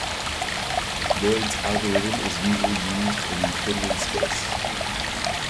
Lloyd's algorithm is usually used in a Euclidean space.